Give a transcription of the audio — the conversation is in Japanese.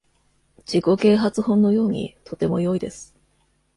自己啓発本のように、とても良いです。